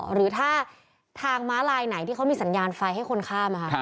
หรือถ้าทางม้าลายไหนที่เขามีสัญญาณไฟให้คนข้าม